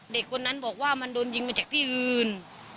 เด็กคนนั้นบอกว่ามันโดนยิงมาจากที่อื่น